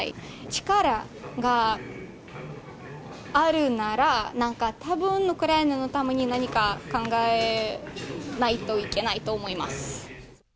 力があるなら、たぶん、何かウクライナのために何か考えないといけないと思います。